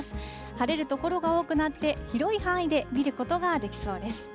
晴れる所が多くなって、広い範囲で見ることができそうです。